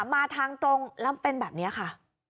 มาทางตรงแล้วเป็นแบบนี้ค่ะ